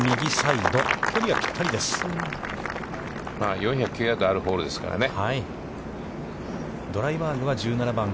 ４０９ヤードあるホールですからね。